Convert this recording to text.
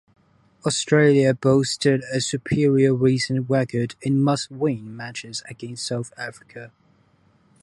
Australia boasted a superior recent record in must-win matches against South Africa.